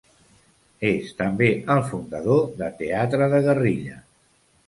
És, també, el fundador de Teatre de Guerrilla.